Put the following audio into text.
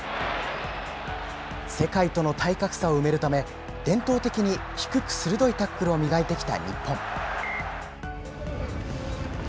世界との体格差を埋めるため、伝統的に低く鋭いタックルを磨いてきた日本。